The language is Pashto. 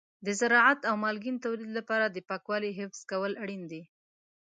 د زراعت او مالګین تولید لپاره د پاکوالي حفظ کول اړین دي.